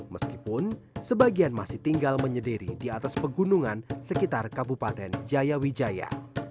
meskipun sebagian masih tinggal menyediri di atas pegunungan sekitar kabupaten jayawijaya